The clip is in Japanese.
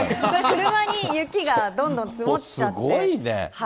車に雪がどんどん積もっちゃって。